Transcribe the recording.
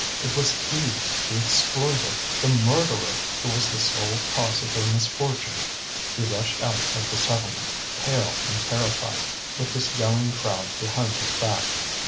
It was he, the exploiter, the murderer, who was the sole cause of their misfortune. He rushed out of the settlement, pale and terrified, with this yelling crowd behind his back.